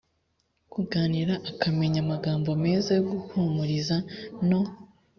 kuganira akamenya amagambo meza yo kuguhumuriza no